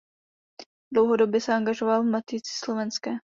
Dlouhodobě se angažoval v Matici slovenské.